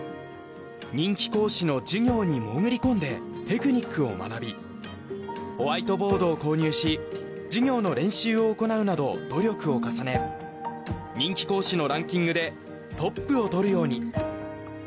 人気講師の授業に潜り込んでテクニックを学びホワイトボードを購入し授業の練習を行うなど努力を重ね人気講師のランキングでトップを取るように。